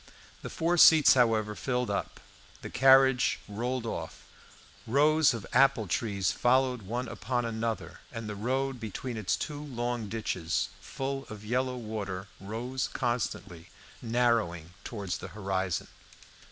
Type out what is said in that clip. The four seats, however, filled up. The carriage rolled off; rows of apple trees followed one upon another, and the road between its two long ditches, full of yellow water, rose, constantly narrowing towards the horizon.